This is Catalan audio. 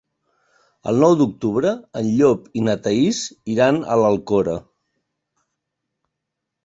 El nou d'octubre en Llop i na Thaís iran a l'Alcora.